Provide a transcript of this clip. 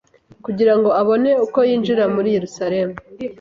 Kugira ngo abone uko yinjira muri Yerusalemu